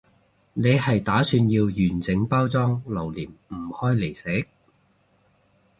你係打算要完整包裝留念唔開嚟食？